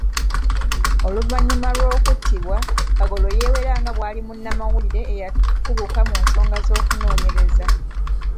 Ouvannyuma lw'okuttibwa Kagolo yeewera nga bwali munnamawulire eyakuguka mu nsonga z'okunoonyereza.